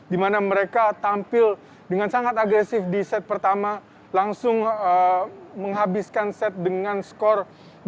di mana mereka tampil dengan sangat agresif di set pertama langsung menghabiskan set dengan skor dua puluh